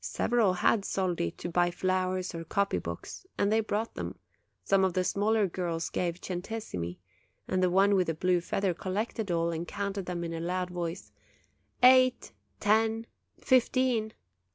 Several had soldi to buy flowers or copy books, and they brought them; some of the smaller girls gave centesimi; the one with the blue feather collected all, and counted them in a loud voice : "Eight, ten, fifteen!"